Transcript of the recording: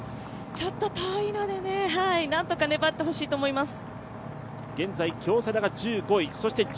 ちょっと遠いのでね、何とか粘ってほしいと思います。